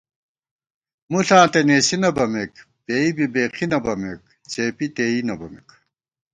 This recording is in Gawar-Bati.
مُݪاں تہ نېسی نہ بَمېک، پېئی بی بېخی نہ بَمېک، څېپی تېئی نہ بَمېک